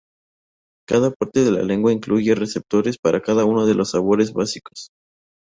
Cada parte de la lengua incluye receptores para cada uno de los sabores básicos.